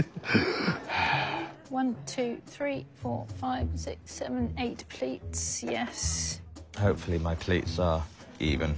はい？